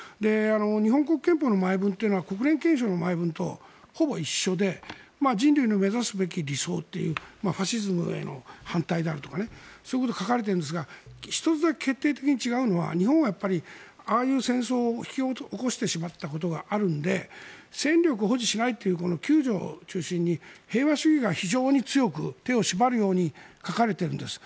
日本国憲法の前文というのは国連憲章の前文とほぼ一緒で人類の目指すべき理想ファシズムへの反対であるとかそういうことが書かれているんですが１つだけ決定的に違うのは日本がああいう戦争を引き起こしてしまったことがあるので戦力を保持しないという９条を中心に平和主義が非常に強く手を縛るように書かれているんです。